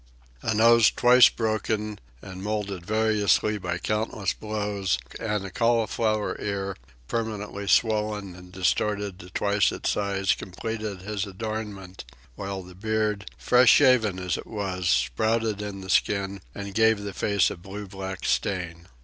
A nose twice broken and moulded variously by countless blows, and a cauliflower ear, permanently swollen and distorted to twice its size, completed his adornment, while the beard, fresh shaven as it was, sprouted in the skin and gave the face a blue black stain.